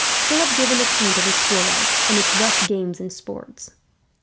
Philip gave an account of his school life, and its rough games and sports.